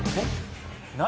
「何？